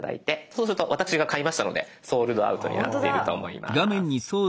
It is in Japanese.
そうすると私が買いましたのでソールドアウトになっていると思います。